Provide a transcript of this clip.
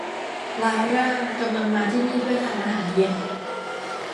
ลาร่ากำลังมาที่นี่เพื่อทานอาหารเย็น